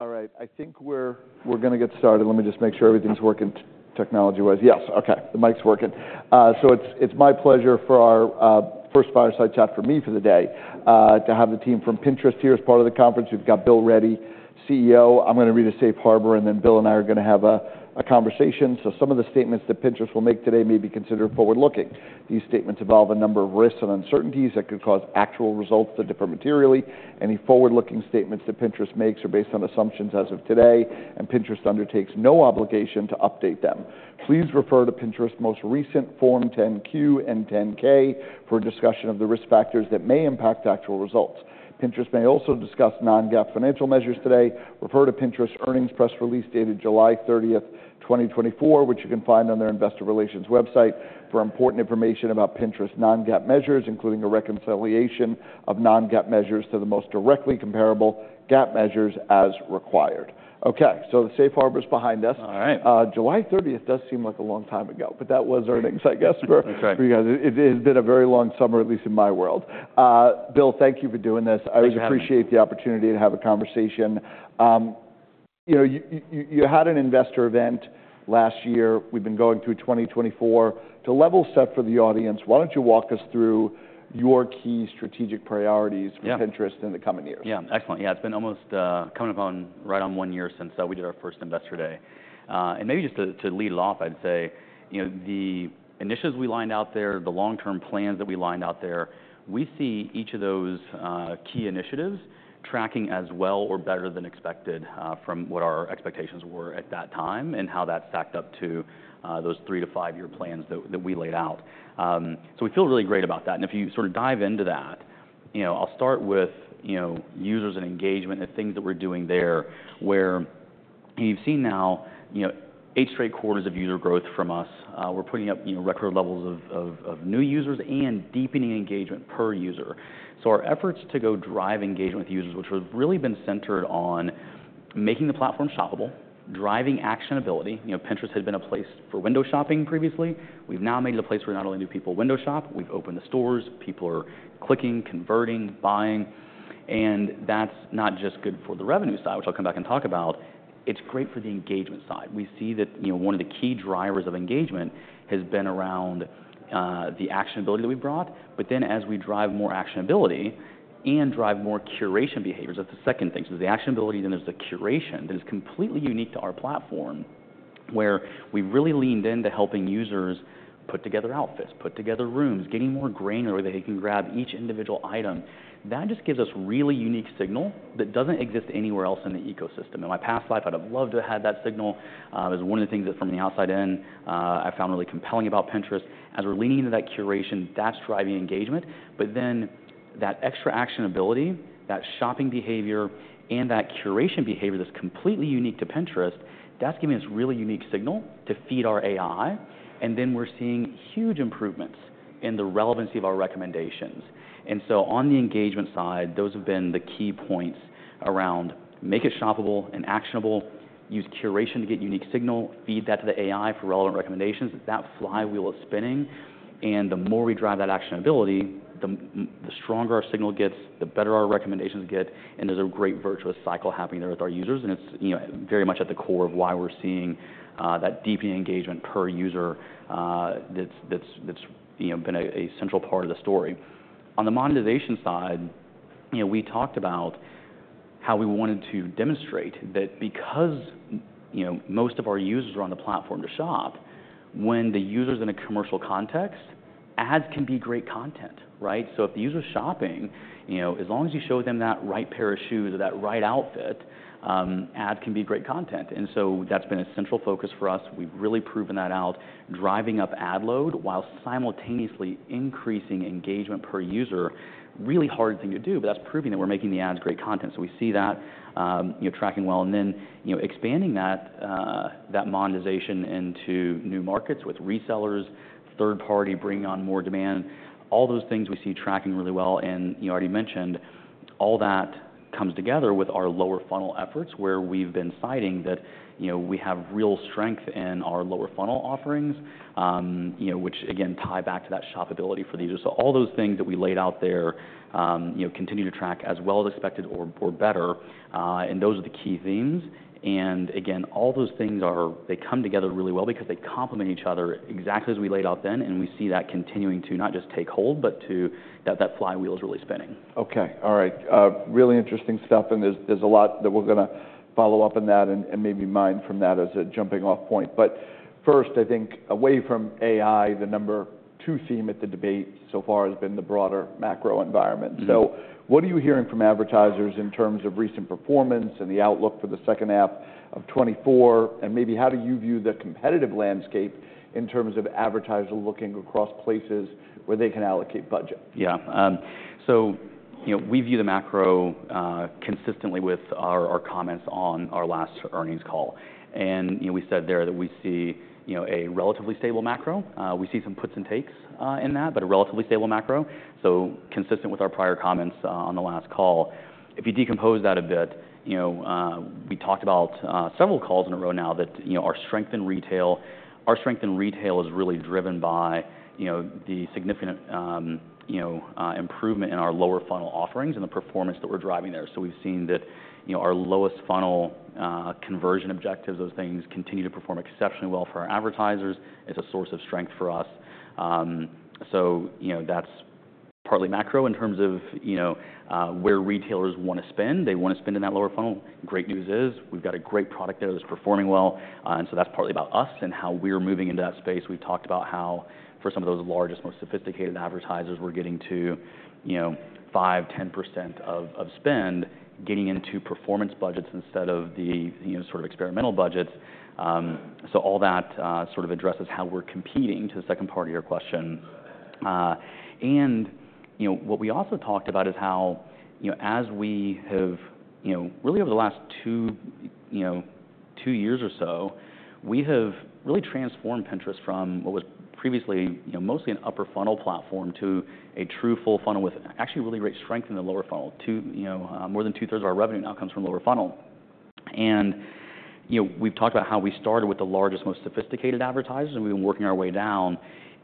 All right, I think we're gonna get started. Let me just make sure everything's working technology-wise. Yes, okay, the mic's working. So it's my pleasure for our first fireside chat for me for the day to have the team from Pinterest here as part of the conference. We've got Bill Ready, CEO. I'm gonna read a safe harbor, and then Bill and I are gonna have a conversation. So some of the statements that Pinterest will make today may be considered forward-looking. These statements involve a number of risks and uncertainties that could cause actual results to differ materially. Any forward-looking statements that Pinterest makes are based on assumptions as of today, and Pinterest undertakes no obligation to update them. Please refer to Pinterest's most recent Form 10-Q and 10-K for a discussion of the risk factors that may impact actual results. Pinterest may also discuss non-GAAP financial measures today. Refer to Pinterest's earnings press release dated July 30th, 2024, which you can find on their investor relations website, for important information about Pinterest's non-GAAP measures, including a reconciliation of non-GAAP measures to the most directly comparable GAAP measures as required. Okay, so the safe harbor's behind us. All right. July 30th does seem like a long time ago, but that was earnings, I guess, for- That's right. You guys. It has been a very long summer, at least in my world. Bill, thank you for doing this. Thanks for having me. I appreciate the opportunity to have a conversation. You know, you had an investor event last year. We've been going through 2024. To level set for the audience, why don't you walk us through your key strategic priorities- Yeah. -for Pinterest in the coming years? Yeah. Excellent. Yeah, it's been almost, coming up on right on one year since we did our first Investor Day. And maybe just to lead off, I'd say, you know, the initiatives we laid out there, the long-term plans that we laid out there, we see each of those key initiatives tracking as well or better than expected, from what our expectations were at that time, and how that stacked up to those three-to-five-year plans that we laid out, so we feel really great about that, and if you sort of dive into that, you know, I'll start with, you know, users and engagement and things that we're doing there, where you've seen now, you know, eight straight quarters of user growth from us. We're putting up, you know, record levels of new users and deepening engagement per user. So our efforts to go drive engagement with users, which has really been centered on making the platform shoppable, driving actionability. You know, Pinterest had been a place for window shopping previously. We've now made it a place where not only do people window shop, we've opened the stores. People are clicking, converting, buying, and that's not just good for the revenue side, which I'll come back and talk about, it's great for the engagement side. We see that, you know, one of the key drivers of engagement has been around, the actionability that we've brought. But then, as we drive more actionability and drive more curation behaviors, that's the second thing, so the actionability, then there's the curation that is completely unique to our platform, where we've really leaned into helping users put together outfits, put together rooms, getting more granular, where they can grab each individual item. That just gives us really unique signal that doesn't exist anywhere else in the ecosystem. In my past life, I'd have loved to have had that signal. It's one of the things that, from the outside in, I found really compelling about Pinterest. As we're leaning into that curation, that's driving engagement, but then that extra actionability, that shopping behavior and that curation behavior that's completely unique to Pinterest, that's giving us really unique signal to feed our AI, and then we're seeing huge improvements in the relevancy of our recommendations. And so on the engagement side, those have been the key points around make it shoppable and actionable, use curation to get unique signal, feed that to the AI for relevant recommendations. That flywheel is spinning, and the more we drive that actionability, the stronger our signal gets, the better our recommendations get, and there's a great virtuous cycle happening there with our users, and it's, you know, very much at the core of why we're seeing that deepening engagement per user, that's you know been a central part of the story. On the monetization side, you know, we talked about how we wanted to demonstrate that because you know, most of our users are on the platform to shop, when the user's in a commercial context, ads can be great content, right? So if the user's shopping, you know, as long as you show them that right pair of shoes or that right outfit, ad can be great content. And so that's been a central focus for us. We've really proven that out, driving up ad load while simultaneously increasing engagement per user. Really hard thing to do, but that's proving that we're making the ads great content. So we see that, you know, tracking well, and then, you know, expanding that monetization into new markets with resellers, third party bringing on more demand, all those things we see tracking really well. And you already mentioned all that comes together with our lower funnel efforts, where we've been citing that, you know, we have real strength in our lower funnel offerings, you know, which again tie back to that shoppability for the user. All those things that we laid out there, you know, continue to track as well as expected or better, and those are the key themes. Again, all those things, they come together really well because they complement each other exactly as we laid out then, and we see that continuing to not just take hold, but to. That flywheel is really spinning. Okay. All right. Really interesting stuff, and there's a lot that we're gonna follow up on that and maybe mine from that as a jumping-off point. But first, I think away from AI, the number two theme at the debate so far has been the broader macro environment. Mm-hmm. So what are you hearing from advertisers in terms of recent performance and the outlook for the second half of 2024? And maybe how do you view the competitive landscape in terms of advertisers looking across places where they can allocate budget? Yeah. So, you know, we view the macro consistently with our comments on our last earnings call. And, you know, we said there that we see, you know, a relatively stable macro. We see some puts and takes in that, but a relatively stable macro, so consistent with our prior comments on the last call. If you decompose that a bit, you know, we talked about several calls in a row now that, you know, our strength in retail, our strength in retail is really driven by, you know, the significant, you know, improvement in our lower funnel offerings and the performance that we're driving there. So we've seen that, you know, our lower funnel conversion objectives, those things continue to perform exceptionally well for our advertisers. It's a source of strength for us. So, you know, that's... Partly macro in terms of, you know, where retailers want to spend. They want to spend in that lower funnel. Great news is, we've got a great product there that's performing well, and so that's partly about us and how we're moving into that space. We've talked about how for some of those largest, more sophisticated advertisers, we're getting to, you know, five, 10% of spend getting into performance budgets instead of the, you know, sort of experimental budgets. So all that sort of addresses how we're competing to the second part of your question. And, you know, what we also talked about is how, you know, as we have, you know, really over the last two, you know, two years or so, we have really transformed Pinterest from what was previously, you know, mostly an upper funnel platform to a true full funnel with actually really great strength in the lower funnel. More than 2/3 of our revenue now comes from lower funnel. And, you know, we've talked about how we started with the largest, most sophisticated advertisers, and we've been working our way down,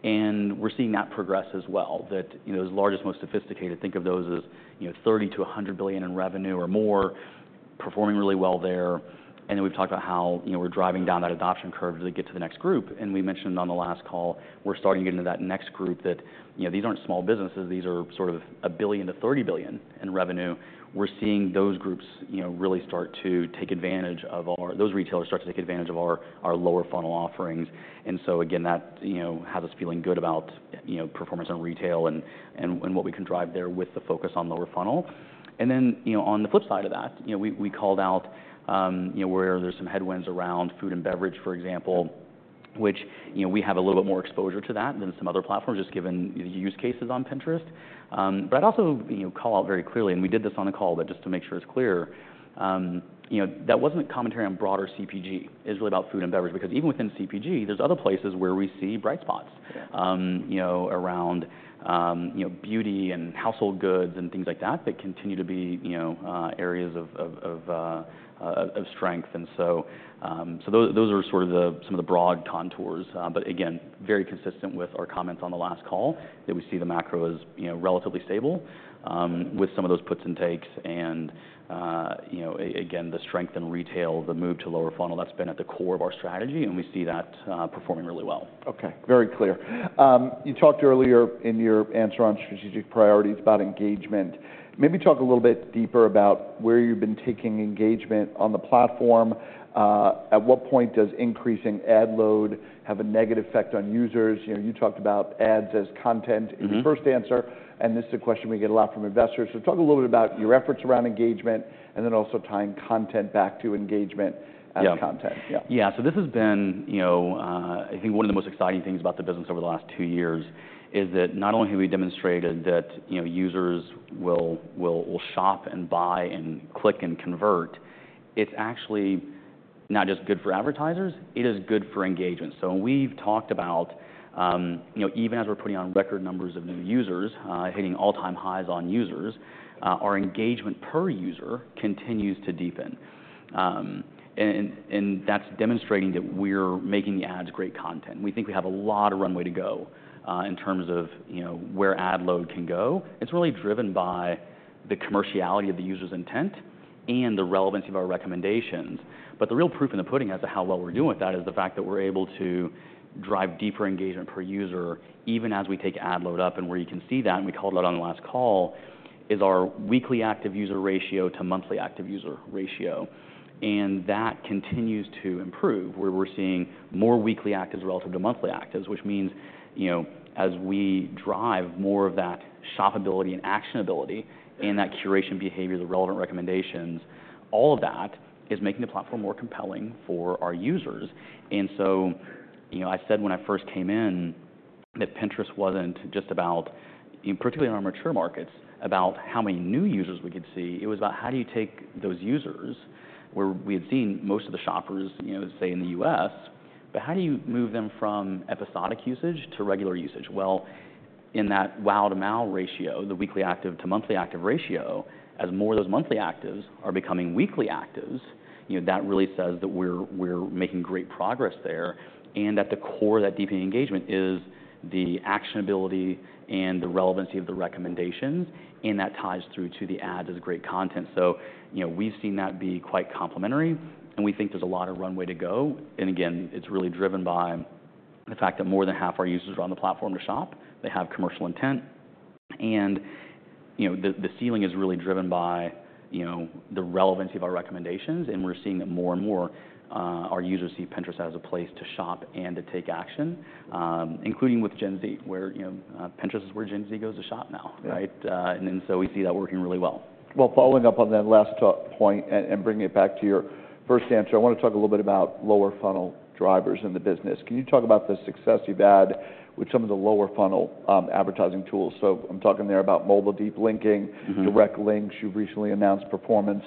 and we're seeing that progress as well, that, you know, those largest, most sophisticated, think of those as, you know, $30 billion-$100 billion in revenue or more, performing really well there. And then we've talked about how, you know, we're driving down that adoption curve as we get to the next group. And we mentioned on the last call, we're starting to get into that next group that, you know, these aren't small businesses. These are sort of $1 billion-$30 billion in revenue. We're seeing those groups, you know, really start to take advantage of our. Those retailers start to take advantage of our lower funnel offerings. And so again, that, you know, has us feeling good about, you know, performance on retail and what we can drive there with the focus on lower funnel. And then, you know, on the flip side of that, you know, we called out, you know, where there's some headwinds around food and beverage, for example, which, you know, we have a little bit more exposure to that than some other platforms, just given the use cases on Pinterest. But I'd also, you know, call out very clearly, and we did this on a call, but just to make sure it's clear, you know, that wasn't a commentary on broader CPG. It's really about food and beverage, because even within CPG, there's other places where we see bright spots, you know, around, you know, beauty and household goods and things like that, that continue to be, you know, areas of strength. Those are sort of some of the broad contours, but again, very consistent with our comments on the last call, that we see the macro as, you know, relatively stable, with some of those puts and takes and, you know, again, the strength in retail, the move to lower funnel. That's been at the core of our strategy, and we see that performing really well. Okay, very clear. You talked earlier in your answer on strategic priorities about engagement. Maybe talk a little bit deeper about where you've been taking engagement on the platform. At what point does increasing ad load have a negative effect on users? You know, you talked about ads as content- Mm-hmm. In your first answer, and this is a question we get a lot from investors. So talk a little bit about your efforts around engagement and then also tying content back to engagement. Yeah. - And content. Yeah. Yeah. So this has been, you know, I think one of the most exciting things about the business over the last two years, is that not only have we demonstrated that, you know, users will shop and buy and click and convert. It's actually not just good for advertisers. It is good for engagement. So we've talked about, you know, even as we're putting on record numbers of new users, hitting all-time highs on users, our engagement per user continues to deepen. And that's demonstrating that we're making the ads great content. We think we have a lot of runway to go, in terms of, you know, where ad load can go. It's really driven by the commerciality of the user's intent and the relevance of our recommendations. But the real proof in the pudding as to how well we're doing with that is the fact that we're able to drive deeper engagement per user, even as we take ad load up. And where you can see that, and we called it out on the last call, is our weekly active user ratio to monthly active user ratio, and that continues to improve, where we're seeing more weekly actives relative to monthly actives. Which means, you know, as we drive more of that shoppability and actionability and that curation behavior, the relevant recommendations, all of that is making the platform more compelling for our users. And so, you know, I said when I first came in that Pinterest wasn't just about, and particularly in our mature markets, about how many new users we could see. It was about how do you take those users, where we had seen most of the shoppers, you know, say, in the U.S., but how do you move them from episodic usage to regular usage? In that WAU to MAU ratio, the weekly active to monthly active ratio, as more of those monthly actives are becoming weekly actives, you know, that really says that we're making great progress there. At the core of that deepening engagement is the actionability and the relevancy of the recommendations, and that ties through to the ads as great content. You know, we've seen that be quite complementary, and we think there's a lot of runway to go. Again, it's really driven by the fact that more than half our users are on the platform to shop. They have commercial intent, and, you know, the ceiling is really driven by, you know, the relevancy of our recommendations, and we're seeing that more and more, our users see Pinterest as a place to shop and to take action, including with Gen Z, where, you know, Pinterest is where Gen Z goes to shop now, right? Yeah. And then so we see that working really well. Following up on that last talking point and bringing it back to your first answer, I want to talk a little bit about lower funnel drivers in the business. Can you talk about the success you've had with some of the lower funnel advertising tools? So I'm talking there about mobile deep linking- Mm-hmm. Direct links. You've recently announced Performance+,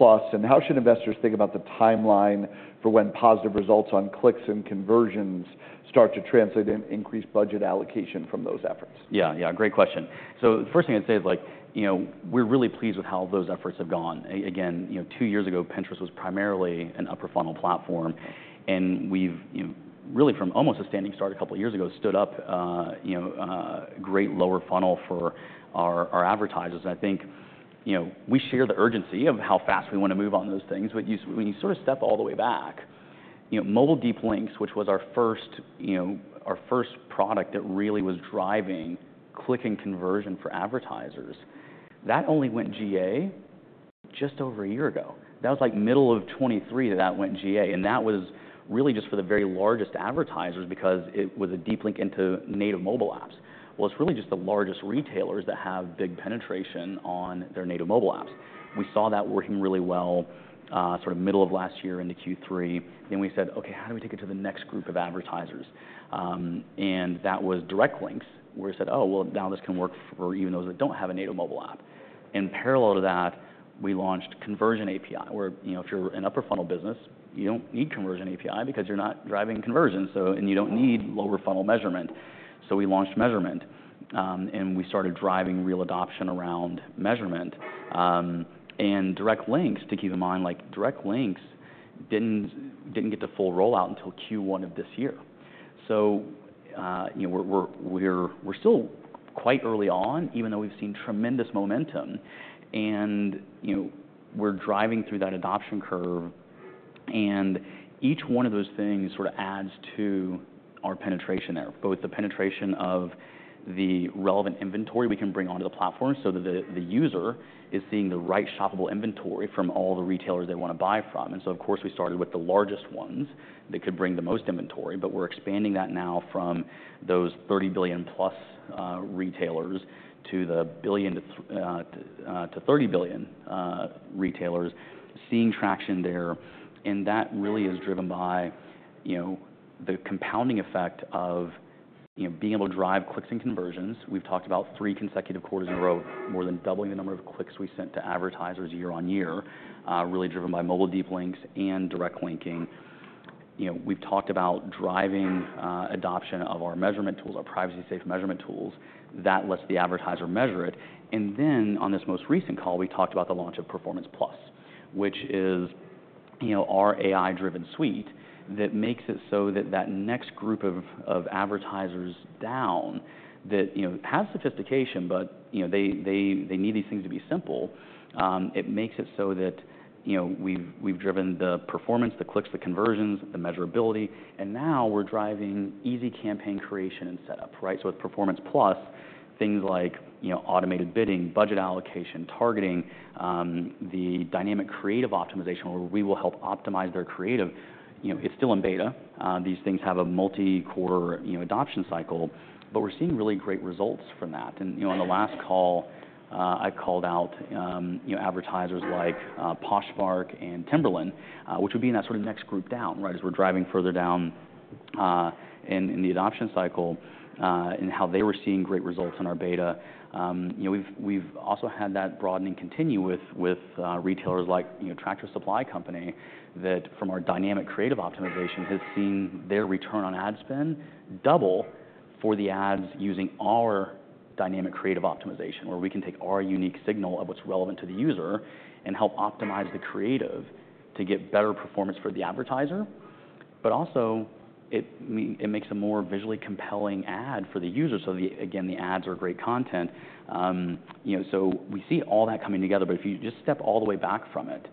and how should investors think about the timeline for when positive results on clicks and conversions start to translate in increased budget allocation from those efforts? Yeah, yeah, great question. So the first thing I'd say is like, you know, we're really pleased with how those efforts have gone. Again, you know, two years ago, Pinterest was primarily an upper funnel platform, and we've, you know, really from almost a standing start a couple of years ago, stood up, you know, great lower funnel for our advertisers. I think, you know, we share the urgency of how fast we want to move on those things, but you, when you sort of step all the way back. You know, mobile deep links, which was our first, you know, our first product that really was driving click and conversion for advertisers, that only went GA just over a year ago. That was, like, middle of 2023 that went GA, and that was really just for the very largest advertisers because it was a deep link into native mobile apps, well, it's really just the largest retailers that have big penetration on their native mobile apps. We saw that working really well, sort of middle of last year into Q3, then we said, "Okay, how do we take it to the next group of advertisers?" And that was Direct Links, where we said, "Oh, well, now this can work for even those that don't have a native mobile app." In parallel to that, we launched Conversion API, where, you know, if you're an upper funnel business, you don't need Conversion API because you're not driving conversion, so and you don't need lower funnel measurement. So we launched measurement, and we started driving real adoption around measurement. And Direct Links, to keep in mind, like, Direct Links didn't get to full rollout until Q1 of this year. So, you know, we're still quite early on, even though we've seen tremendous momentum and, you know, we're driving through that adoption curve, and each one of those things sort of adds to our penetration there, both the penetration of the relevant inventory we can bring onto the platform so that the user is seeing the right shoppable inventory from all the retailers they wanna buy from. And so, of course, we started with the largest ones that could bring the most inventory, but we're expanding that now from those 30 billion+ retailers to the billion to 30 billion retailers. Seeing traction there, and that really is driven by, you know, the compounding effect of, you know, being able to drive clicks and conversions. We've talked about three consecutive quarters in a row, more than doubling the number of clicks we sent to advertisers year-on-year, really driven by mobile deep links and direct linking. You know, we've talked about driving adoption of our measurement tools, our privacy safe measurement tools, that lets the advertiser measure it. And then, on this most recent call, we talked about the launch of Performance+, which is, you know, our AI-driven suite that makes it so that that next group of advertisers down that, you know, has sophistication, but, you know, they, they, they need these things to be simple. It makes it so that, you know, we've driven the performance, the clicks, the conversions, the measurability, and now we're driving easy campaign creation and setup, right? So with Performance+, things like, you know, automated bidding, budget allocation, targeting, the dynamic creative optimization, where we will help optimize their creative. You know, it's still in beta. These things have a multi-year, you know, adoption cycle, but we're seeing really great results from that. And, you know, on the last call, I called out, you know, advertisers like, Poshmark and Timberland, which would be in that sort of next group down, right, as we're driving further down, in the adoption cycle, and how they were seeing great results in our beta. You know, we've also had that broadening continue with retailers like, you know, Tractor Supply Company that from our dynamic creative optimization has seen their return on ad spend double for the ads using our dynamic creative optimization, where we can take our unique signal of what's relevant to the user and help optimize the creative to get better performance for the advertiser. But also, it makes a more visually compelling ad for the user, so again, the ads are great content. You know, so we see all that coming together, but if you just step all the way back from it,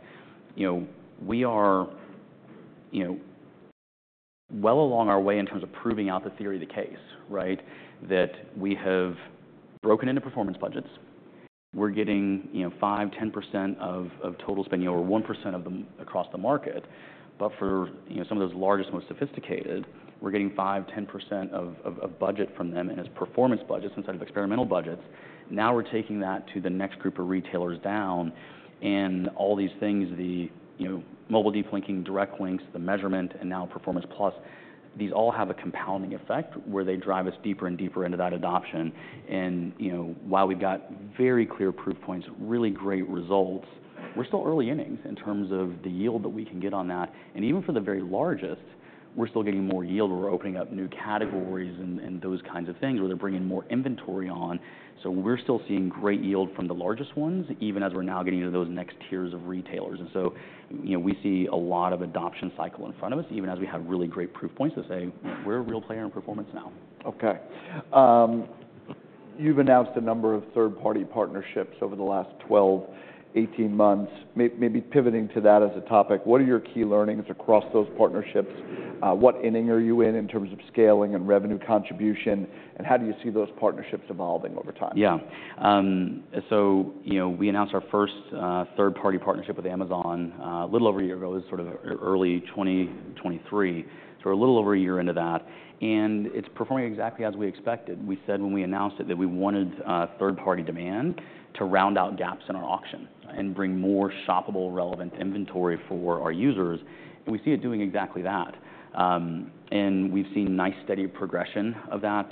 you know, we are well along our way in terms of proving out the theory of the case, right? That we have broken into performance budgets. We're getting, you know, 5%-10% of total spending, or 1% of them across the market. But for, you know, some of those largest, most sophisticated, we're getting 5%-10% of budget from them, and as performance budgets instead of experimental budgets. Now, we're taking that to the next group of retailers down, and all these things, the, you know, mobile deep linking, Direct Links, the measurement, and now Performance+, these all have a compounding effect, where they drive us deeper and deeper into that adoption. And, you know, while we've got very clear proof points, really great results, we're still early innings in terms of the yield that we can get on that. And even for the very largest, we're still getting more yield. We're opening up new categories and those kinds of things, where they're bringing more inventory on. So we're still seeing great yield from the largest ones, even as we're now getting to those next tiers of retailers. And so, you know, we see a lot of adoption cycle in front of us, even as we have really great proof points that say, "We're a real player in performance now." Okay. You've announced a number of third-party partnerships over the last 12, 18 months. Maybe pivoting to that as a topic, what are your key learnings across those partnerships? What inning are you in, in terms of scaling and revenue contribution, and how do you see those partnerships evolving over time? Yeah. So, you know, we announced our first third-party partnership with Amazon a little over a year ago, sort of early 2023. So we're a little over a year into that, and it's performing exactly as we expected. We said when we announced it that we wanted third-party demand to round out gaps in our auction and bring more shoppable, relevant inventory for our users, and we see it doing exactly that. And we've seen nice, steady progression of that.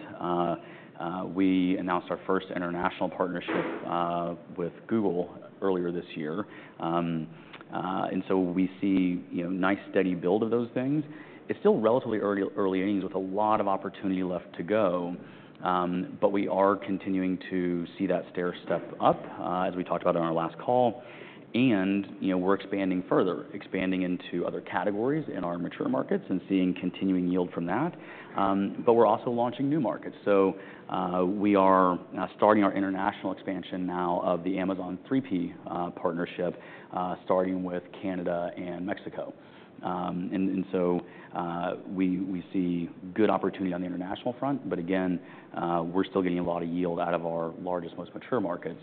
We announced our first international partnership with Google earlier this year. And so we see, you know, nice, steady build of those things. It's still relatively early innings with a lot of opportunity left to go, but we are continuing to see that stairstep up as we talked about on our last call. And, you know, we're expanding further, expanding into other categories in our mature markets and seeing continuing yield from that. But we're also launching new markets. So, we are now starting our international expansion of the Amazon 3P partnership, starting with Canada and Mexico. And so, we see good opportunity on the international front, but again, we're still getting a lot of yield out of our largest, most mature markets.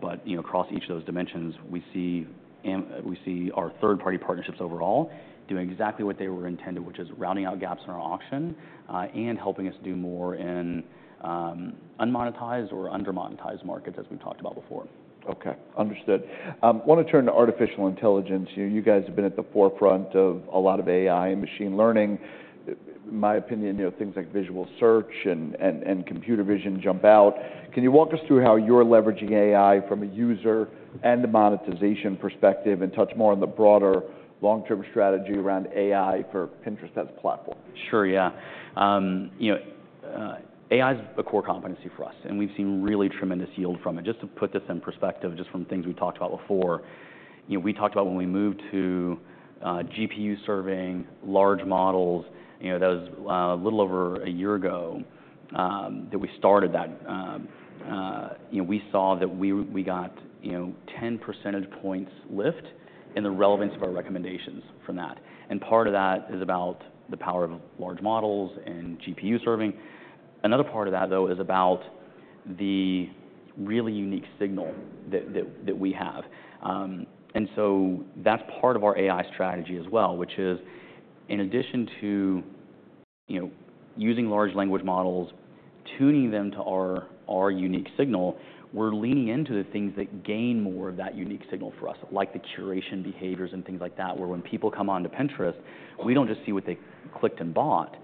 But, you know, across each of those dimensions, we see our third-party partnerships overall doing exactly what they were intended, which is rounding out gaps in our auction, and helping us do more in unmonetized or under-monetized markets, as we talked about before. Okay, understood. I wanna turn to artificial intelligence. You guys have been at the forefront of a lot of AI and machine learning. In my opinion, you know, things like visual search and computer vision jump out. Can you walk us through how you're leveraging AI from a user and a monetization perspective, and touch more on the broader long-term strategy around AI for Pinterest as a platform? Sure, yeah. You know, AI is a core competency for us, and we've seen really tremendous yield from it. Just to put this in perspective, just from things we talked about before, you know, we talked about when we moved to GPU serving large models, you know, that was a little over a year ago that we started that. You know, we saw that we got, you know, 10 percentage points lift in the relevance of our recommendations from that. Part of that is about the power of large models and GPU serving. Another part of that, though, is about the really unique signal that we have. And so that's part of our AI strategy as well, which is, in addition to, you know, using large language models, tuning them to our unique signal, we're leaning into the things that gain more of that unique signal for us, like the curation behaviors and things like that, where when people come onto Pinterest, we don't just see what they clicked and bought.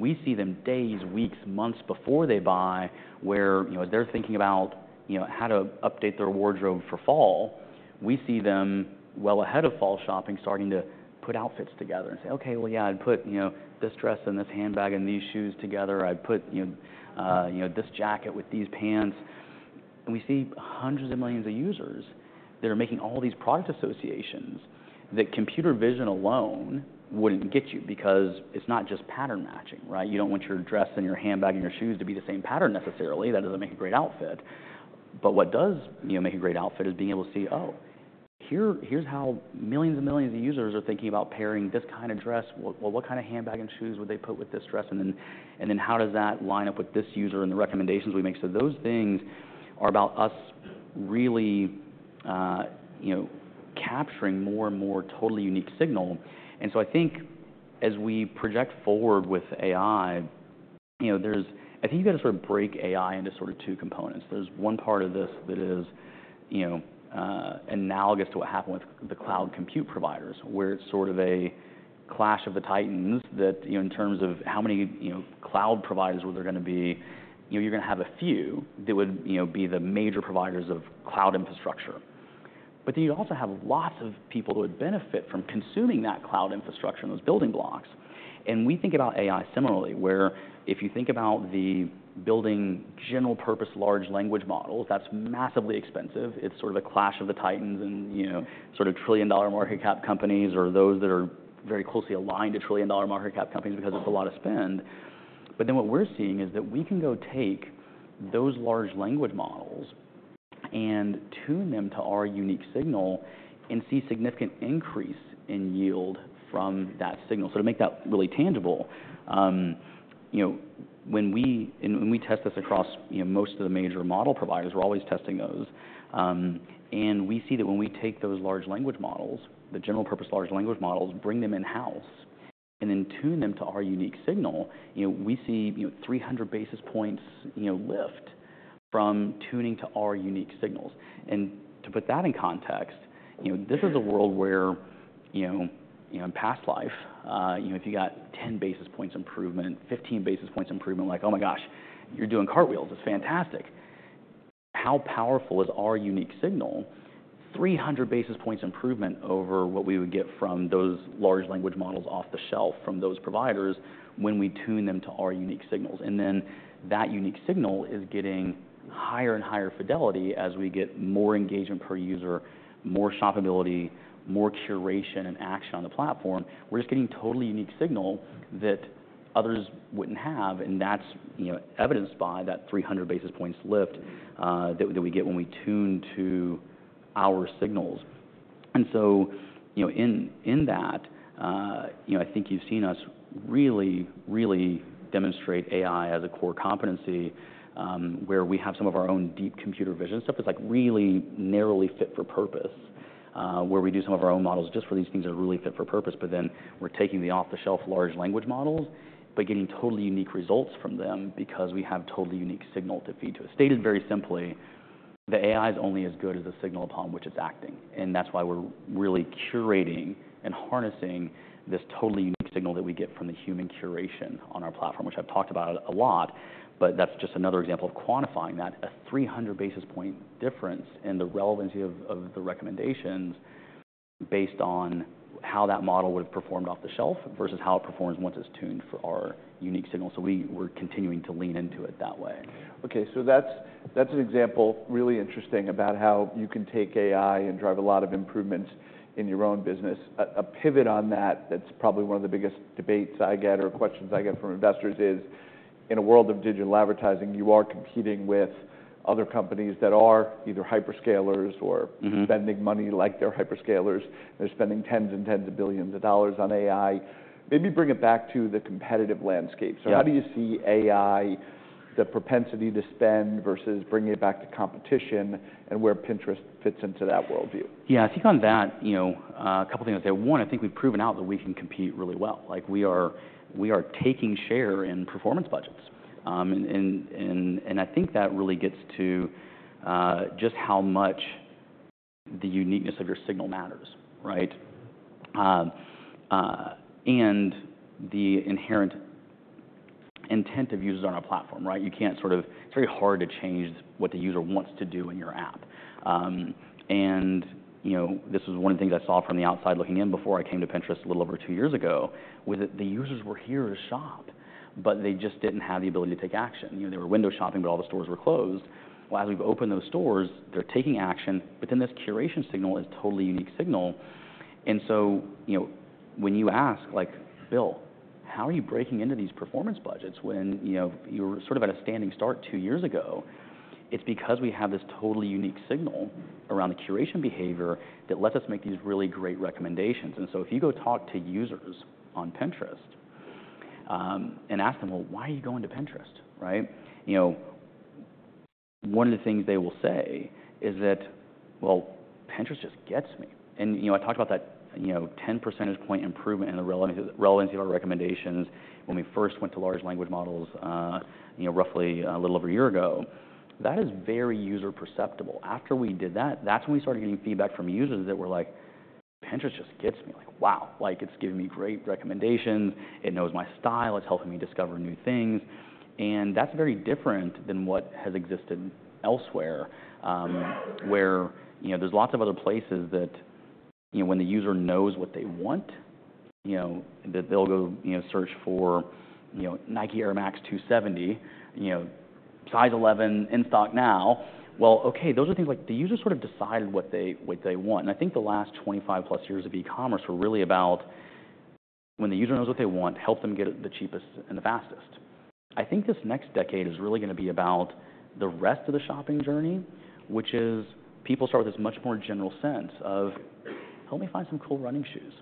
We see them days, weeks, months before they buy, where, you know, they're thinking about, you know, how to update their wardrobe for fall. We see them well ahead of fall shopping, starting to put outfits together and say, "Okay, well, yeah, I'd put, you know, this dress and this handbag and these shoes together. I'd put, you know, you know, this jacket with these pants," and we see hundreds of millions of users that are making all these product associations that computer vision alone wouldn't get you because it's not just pattern matching, right? You don't want your dress and your handbag and your shoes to be the same pattern necessarily. That doesn't make a great outfit, but what does, you know, make a great outfit is being able to see, oh, here, here's how millions and millions of users are thinking about pairing this kind of dress. What kind of handbag and shoes would they put with this dress? And then how does that line up with this user and the recommendations we make? Those things are about us really, you know, capturing more and more totally unique signal. And so I think as we project forward with AI, you know, there's... I think you've got to sort of break AI into sort of two components. There's one part of this that is, you know, analogous to what happened with the cloud compute providers, where it's sort of a clash of the titans that, you know, in terms of how many, you know, cloud providers were there gonna be, you know, you're gonna have a few that would, you know, be the major providers of cloud infrastructure. But then you also have lots of people who would benefit from consuming that cloud infrastructure and those building blocks. And we think about AI similarly, where if you think about the building general-purpose large language models, that's massively expensive. It's sort of a clash of the titans and, you know, sort of trillion-dollar market cap companies or those that are very closely aligned to trillion-dollar market cap companies because it's a lot of spend, but then what we're seeing is that we can go take those large language models and tune them to our unique signal and see significant increase in yield from that signal, so to make that really tangible, you know, when we test this across, you know, most of the major model providers, we're always testing those. And we see that when we take those large language models, the general-purpose large language models, bring them in-house, and then tune them to our unique signal, you know, we see, you know, 300 basis points, you know, lift from tuning to our unique signals. And to put that in context, you know, this is a world where, you know, in past life, you know, if you got 10 basis points improvement, 15 basis points improvement, like, oh, my gosh, you're doing cartwheels, it's fantastic. How powerful is our unique signal? 300 basis points improvement over what we would get from those large language models off the shelf from those providers when we tune them to our unique signals. And then that unique signal is getting higher and higher fidelity as we get more engagement per user, more shoppability, more curation and action on the platform. We're just getting totally unique signal that others wouldn't have, and that's, you know, evidenced by that 300 basis points lift, that we get when we tune to our signals. And so, you know, in that, you know, I think you've seen us really, really demonstrate AI as a core competency, where we have some of our own deep computer vision stuff. It's, like, really narrowly fit for purpose, where we do some of our own models just for these things that are really fit for purpose. But then we're taking the off-the-shelf large language models, but getting totally unique results from them because we have totally unique signal to feed to it. Stated very simply, the AI is only as good as the signal upon which it's acting, and that's why we're really curating and harnessing this totally unique signal that we get from the human curation on our platform, which I've talked about a lot. But that's just another example of quantifying that: a 300 basis point difference in the relevancy of the recommendations based on how that model would have performed off the shelf versus how it performs once it's tuned for our unique signal. So we're continuing to lean into it that way. Okay, so that's an example, really interesting, about how you can take AI and drive a lot of improvements in your own business. A pivot on that, that's probably one of the biggest debates I get or questions I get from investors is, in a world of digital advertising, you are competing with other companies that are either hyperscalers or- Mm-hmm. Spending money like they're hyperscalers. They're spending tens and tens of billions of dollars on AI. Maybe bring it back to the competitive landscape. Yeah. So how do you see AI, the propensity to spend, versus bringing it back to competition and where Pinterest fits into that worldview? Yeah, I think on that, you know, a couple of things I'd say. One, I think we've proven out that we can compete really well. Like, we are taking share in performance budgets. And I think that really gets to just how much the uniqueness of your signal matters, right? And the inherent intent of users on our platform, right? You can't sort of. It's very hard to change what the user wants to do in your app. And, you know, this is one of the things I saw from the outside looking in before I came to Pinterest a little over two years ago, was that the users were here to shop, but they just didn't have the ability to take action. You know, they were window shopping, but all the stores were closed. As we've opened those stores, they're taking action, but then this curation signal is a totally unique signal. And so, you know, when you ask, like, "Bill, how are you breaking into these performance budgets when, you know, you were sort of at a standing start two years ago?" It's because we have this totally unique signal around the curation behavior that lets us make these really great recommendations. And so if you go talk to users on Pinterest, and ask them, "Well, why are you going to Pinterest?" Right? You know, one of the things they will say is that, "Well, Pinterest just gets me." And, you know, I talked about that, you know, 10 percentage point improvement in the relevancy of our recommendations when we first went to large language models, you know, roughly a little over a year ago. That is very user perceptible. After we did that, that's when we started getting feedback from users that were like, "Pinterest just gets me. Like, wow! Like, it's giving me great recommendations, it knows my style, it's helping me discover new things." And that's very different than what has existed elsewhere, where, you know, there's lots of other places that, you know, when the user knows what they want, you know, they'll go, you know, search for, you know, Nike Air Max 270, you know, size 11 in stock now. Well, okay, those are things like the user sort of decided what they want. And I think the last 25+ years of e-commerce were really about when the user knows what they want, help them get it the cheapest and the fastest. I think this next decade is really gonna be about the rest of the shopping journey, which is people start with this much more general sense of, "Help me find some cool running shoes,"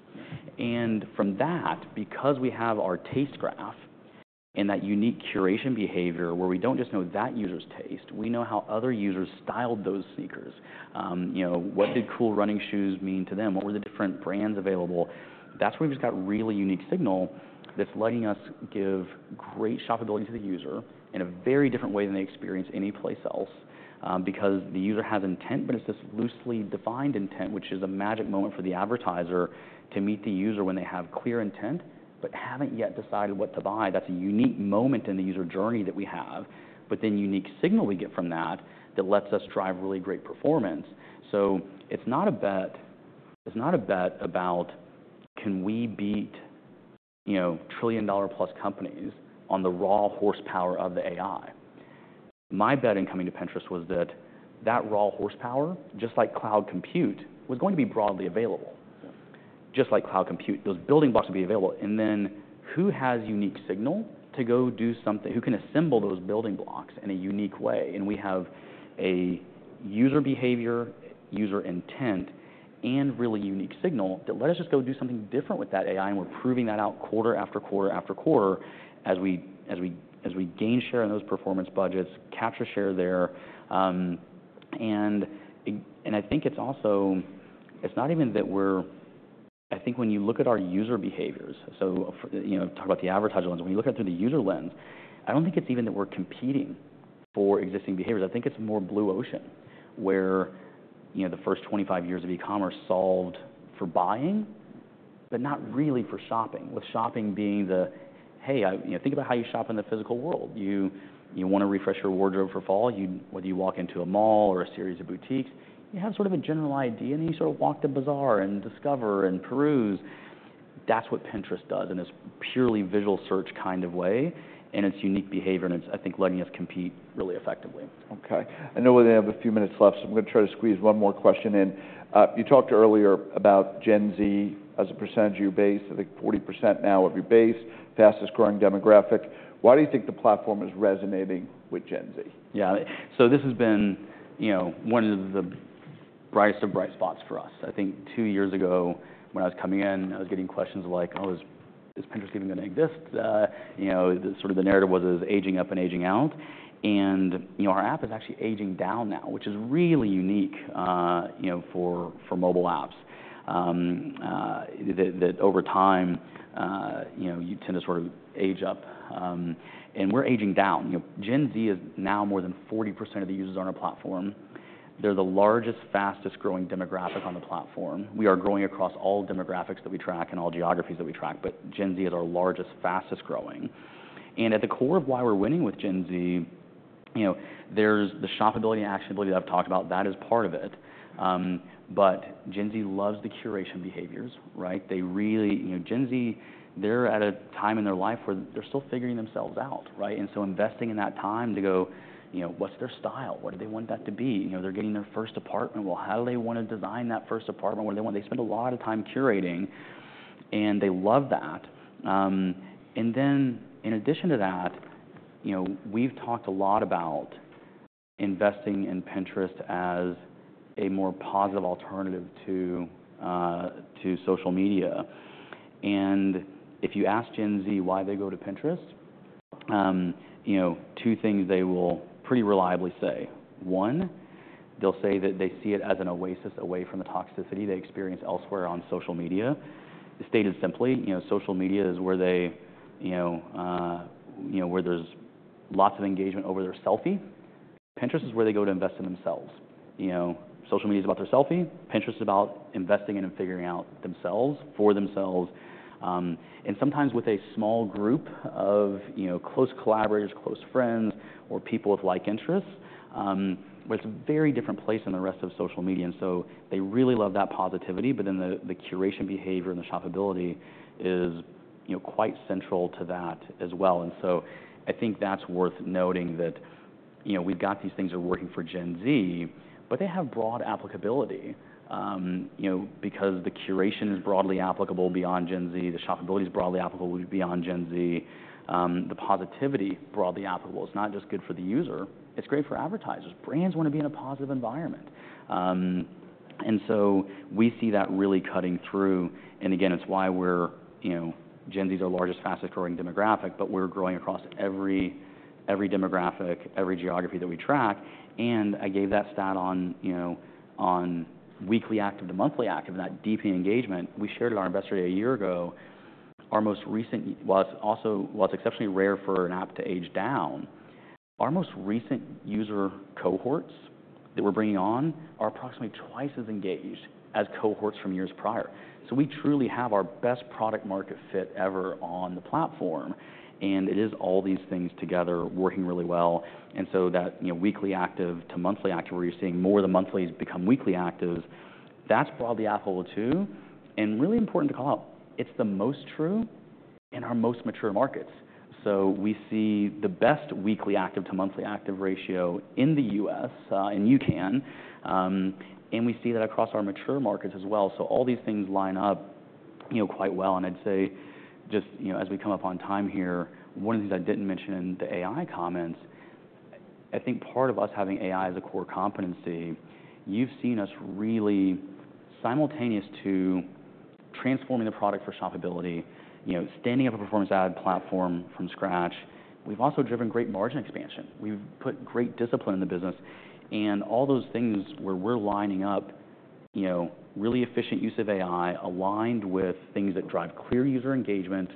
and from that, because we have our Taste Graph and that unique curation behavior where we don't just know that user's taste, we know how other users styled those sneakers, you know, what did cool running shoes mean to them? What were the different brands available? That's where we've just got really unique signal that's letting us give great shoppability to the user in a very different way than they experience anyplace else, because the user has intent, but it's this loosely defined intent, which is a magic moment for the advertiser to meet the user when they have clear intent but haven't yet decided what to buy. That's a unique moment in the user journey that we have, but then unique signal we get from that, that lets us drive really great performance. So it's not a bet, it's not a bet about can we beat, you know, trillion-dollar-plus companies on the raw horsepower of the AI. My bet in coming to Pinterest was that that raw horsepower, just like cloud compute, was going to be broadly available. Just like cloud compute, those building blocks would be available, and then who has unique signal to go do something? Who can assemble those building blocks in a unique way? And we have a user behavior, user intent, and really unique signal that let us just go do something different with that AI, and we're proving that out quarter after quarter after quarter as we gain share in those performance budgets, capture share there. I think it's also. It's not even that. I think when you look at our user behaviors, so for, you know, talk about the advertiser lens. When you look at it through the user lens, I don't think it's even that we're competing for existing behaviors. I think it's more blue ocean, where, you know, the first 25 years of e-commerce solved for buying, but not really for shopping. With shopping being the, "Hey, I-" You know, think about how you shop in the physical world. You want to refresh your wardrobe for fall. Whether you walk into a mall or a series of boutiques, you have sort of a general idea, and then you sort of walk the bazaar and discover and peruse. That's what Pinterest does in this purely visual search kind of way, and it's unique behavior, and it's, I think, letting us compete really effectively. Okay. I know we only have a few minutes left, so I'm going to try to squeeze one more question in. You talked earlier about Gen Z as a percentage of your base, I think 40% now of your base, fastest-growing demographic. Why do you think the platform is resonating with Gen Z? Yeah. So this has been, you know, one of the brightest of bright spots for us. I think two years ago, when I was coming in, I was getting questions like: "Oh, is, is Pinterest even going to exist?" you know, sort of the narrative was it was aging up and aging out. And, you know, our app is actually aging down now, which is really unique, you know, for, for mobile apps. that, that over time, you know, you tend to sort of age up, and we're aging down. You know, Gen Z is now more than 40% of the users on our platform. They're the largest, fastest-growing demographic on the platform. We are growing across all demographics that we track and all geographies that we track, but Gen Z is our largest, fastest-growing. At the core of why we're winning with Gen Z, you know, there's the shoppability and actionability that I've talked about, that is part of it. But Gen Z loves the curation behaviors, right? They really, you know, Gen Z, they're at a time in their life where they're still figuring themselves out, right? And so investing in that time to go, you know, what's their style? What do they want that to be? You know, they're getting their first apartment. Well, how do they wanna design that first apartment? What do they want? They spend a lot of time curating, and they love that. And then in addition to that, you know, we've talked a lot about investing in Pinterest as a more positive alternative to social media. And if you ask Gen Z why they go to Pinterest, you know, two things they will pretty reliably say. One, they'll say that they see it as an oasis away from the toxicity they experience elsewhere on social media. Stated simply, you know, social media is where they, you know, where there's lots of engagement over their selfie. Pinterest is where they go to invest in themselves. You know, social media is about their selfie, Pinterest is about investing in and figuring out themselves for themselves, and sometimes with a small group of, you know, close collaborators, close friends, or people of like interests, but it's a very different place than the rest of social media. And so they really love that positivity, but then the curation behavior and the shoppability is, you know, quite central to that as well. I think that's worth noting that, you know, we've got these things that are working for Gen Z, but they have broad applicability. You know, because the curation is broadly applicable beyond Gen Z, the shoppability is broadly applicable beyond Gen Z, the positivity, broadly applicable. It's not just good for the user, it's great for advertisers. Brands wanna be in a positive environment. And so we see that really cutting through, and again, it's why we're, you know, Gen Z's our largest, fastest-growing demographic, but we're growing across every demographic, every geography that we track. And I gave that stat on, you know, on weekly active to monthly active, and that deep engagement, we shared at our Investor Day a year ago. It's also exceptionally rare for an app to age down. Our most recent user cohorts that we're bringing on are approximately twice as engaged as cohorts from years prior. So we truly have our best product market fit ever on the platform, and it is all these things together working really well. And so that, you know, weekly active to monthly active, where you're seeing more of the monthlies become weekly actives, that's broadly applicable, too. And really important to call out, it's the most true in our most mature markets. So we see the best weekly active to monthly active ratio in the U.S., and U.K. and Canada, and we see that across our mature markets as well. So all these things line up, you know, quite well, and I'd say just, you know, as we come up on time here, one of the things I didn't mention in the AI comments, I think part of us having AI as a core competency, you've seen us really simultaneous to transforming the product for shoppability, you know, standing up a performance ad platform from scratch. We've also driven great margin expansion. We've put great discipline in the business and all those things where we're lining up, you know, really efficient use of AI, aligned with things that drive clear user engagement,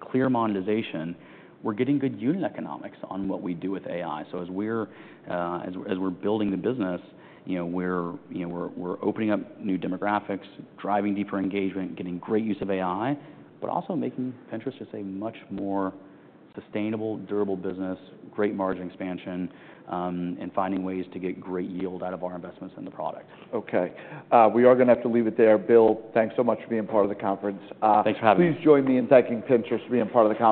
clear monetization. We're getting good unit economics on what we do with AI. As we're building the business, you know, we're opening up new demographics, driving deeper engagement, getting great use of AI, but also making Pinterest just a much more sustainable, durable business, great margin expansion, and finding ways to get great yield out of our investments in the product. Okay. We are gonna have to leave it there. Bill, thanks so much for being part of the conference. Thanks for having me. Please join me in thanking Pinterest for being part of the conference.